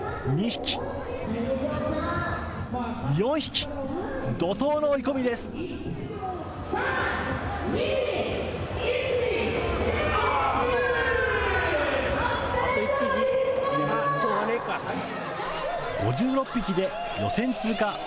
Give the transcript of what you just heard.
５６匹で予選通過。